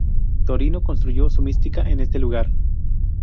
Torino construyó su mística en ese lugar.